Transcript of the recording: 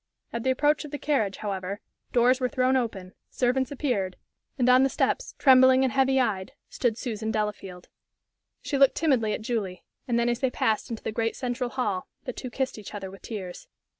At the approach of the carriage, however, doors were thrown open, servants appeared, and on the steps, trembling and heavy eyed, stood Susan Delafield. She looked timidly at Julie, and then, as they passed into the great central hall, the two kissed each other with tears.